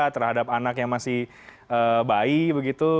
terhadap anak yang masih bayi begitu